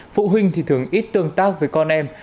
phụ huynh thì thường ít tương tác với con em